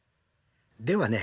ではね